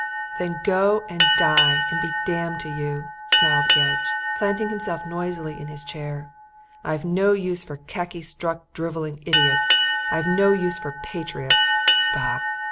"Then go and die and be damned to you!" snarled Gedge, planting himself noisily in his chair. "I've no use for khaki struck drivelling idiots. I've no use for patriots. Bah!